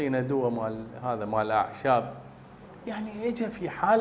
namun mengganti resep medis ke produk herbal